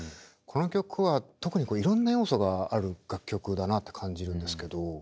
この曲は特にいろんな要素がある楽曲だなって感じるんですけど。